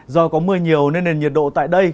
do có mưa nhiều nên nền nhiệt độ tại đây